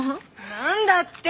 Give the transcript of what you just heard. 何だって！？